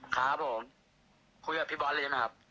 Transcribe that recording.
ครับผมเออขอคุยนะ